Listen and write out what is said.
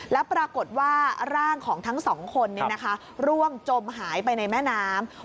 แล้วปรากฏว่าร่างของทั้งสองคนร่วงจมหายไปในแม่น้ำ